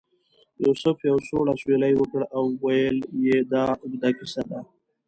یوسف یو سوړ اسویلی وکړ او ویل یې دا اوږده کیسه ده.